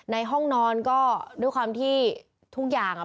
ในห้องนอนก็ด้วยความที่ทุกอย่าง